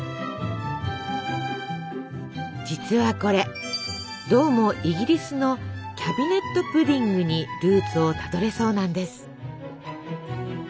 実はこれどうもイギリスの「キャビネットプディング」にルーツをたどれそうなんです。